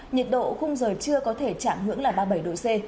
nhiệt độ không rời trưa có thể chạm hưởng là ba mươi bảy độ c